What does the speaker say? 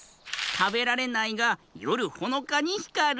たべられないがよるほのかにひかる。